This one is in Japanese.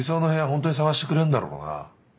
本当に探してくれんだろうな？